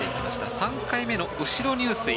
３回目の後ろ入水